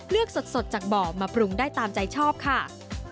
เลือกสดจากเบาะมาปรุงได้ตามใจชอบค่ะ